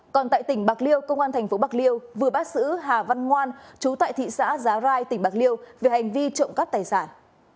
còn tại tỉnh bạc liêu công an tp bạc liêu vừa bác sứ hà văn ngoan trú tại thị xã giá rai tỉnh bạc liêu về hành vi trộm cắt tài sản